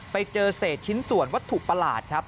ไปเจอเศษชิ้นส่วนวัตถุประหลาดครับ